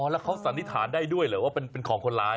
แล้วเขาสันนิษฐานได้ด้วยเหรอว่าเป็นของคนร้าย